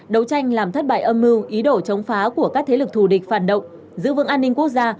đấu tranh làm thất bại âm mưu ý đồ chống phá của các thế lực thù địch phản động giữ vững an ninh quốc gia